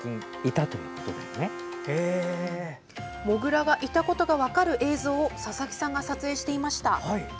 モグラがいたことが分かる映像を佐々木さんが撮影していました。